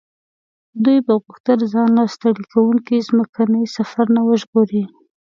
دوی به غوښتل ځان له ستړي کوونکي ځمکني سفر نه وژغوري.